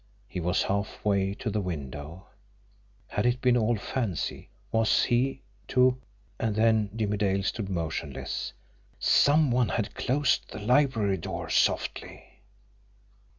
He was halfway to the window. Had it been all fancy, was he to And then Jimmie Dale stood motionless. SOME ONE HAD CLOSED THE LIBRARY DOOR SOFTLY!